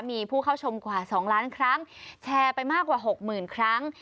มีผู้เข้าชมกว่า๒ล้านครั้งแชร์ไปมากกว่า๖๐๐๐ครั้ง